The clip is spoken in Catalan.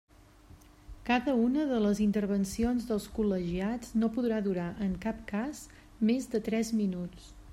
Cada una de les intervencions dels col·legiats no podrà durar, en cap cas, més de tres minuts.